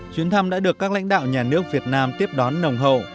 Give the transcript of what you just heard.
chuyến thăm đã được các lãnh đạo nhà nước việt nam tiếp đón nồng hậu